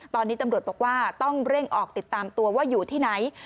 ตอนนี้ตำรวจบอกว่าต้องเร่งออกติดตามตัวว่าอยู่ที่ไหน